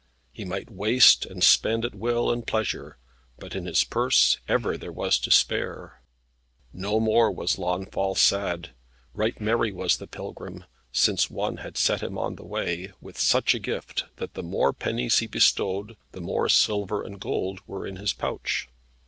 He might waste and spend at will and pleasure, but in his purse ever there was to spare. No more was Launfal sad. Right merry was the pilgrim, since one had set him on the way, with such a gift, that the more pennies he bestowed, the more silver and gold were in his pouch.